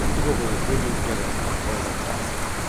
iko kwenye gradi mpya ya kwanza kabisa